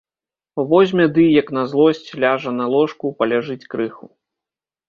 Возьме ды, як на злосць, ляжа на ложку, паляжыць крыху.